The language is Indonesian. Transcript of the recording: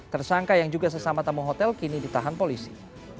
tersangka yang juga sesama tamu hotel kini ditahan polisi